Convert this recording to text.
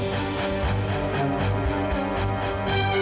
apakah ikhlas penghargaanmu hotel dan merit